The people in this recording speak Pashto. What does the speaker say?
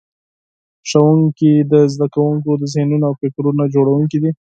ښوونکي د زده کوونکو د ذهنونو او فکرونو جوړونکي دي.